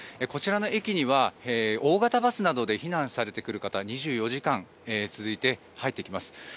こちらの駅には大型バスなどで避難されてくる方２４時間続いて入ってきます。